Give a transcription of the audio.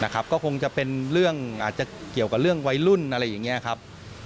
ก็คงจะเป็นเรื่องอาจจะเกี่ยวกับเรื่องวัยรุ่นอะไรอย่างนี้ครับ